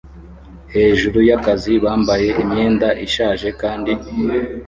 hejuru yakazi bambaye imyenda ishaje kandi